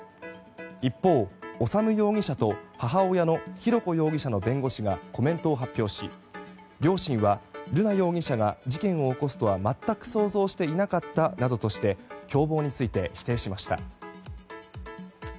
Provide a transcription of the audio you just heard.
一方、修容疑者と母親の浩子容疑者の弁護士がコメントを発表し両親は、瑠奈容疑者が事件を起こすとは、全く想像していなかったなどとして共謀について否定しました。